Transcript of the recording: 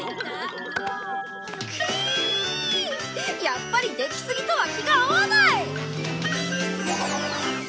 やっぱり出木杉とは気が合わない！